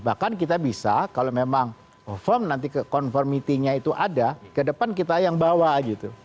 bahkan kita bisa kalau memang firm nanti conformity nya itu ada ke depan kita yang bawa gitu